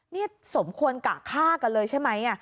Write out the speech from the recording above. นี่สมควรกะฆ่ากันเลยใช่ไหม